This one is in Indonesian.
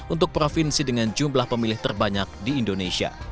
untuk provinsi dengan jumlah pemilih terbanyak di indonesia